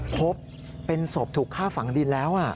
พบเป็นศพถูกฆ่าฝังดินแล้ว